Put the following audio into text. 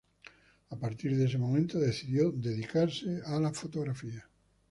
A partir de ese momento decidió dedicarse a la fotografía.